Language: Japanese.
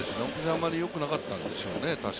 あまりよくなかったんでしょうね。